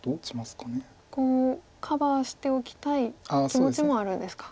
ここをカバーしておきたい気持ちもあるんですか。